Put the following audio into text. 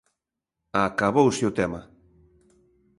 Acabouse o tema.